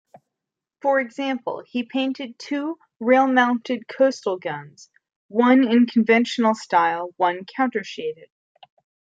For example, he painted two rail-mounted coastal guns, one in conventional style, one countershaded.